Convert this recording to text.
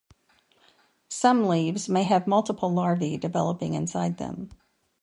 Some leaves may have multiple larvae developing inside them.